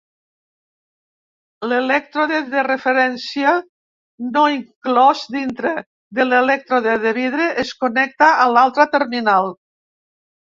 L'elèctrode de referència no inclòs dintre de l'elèctrode de vidre es connecta a l'altre terminal.